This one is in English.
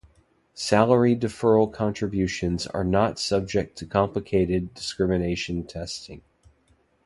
Salary-deferral contributions are not subject to complicated discrimination testing.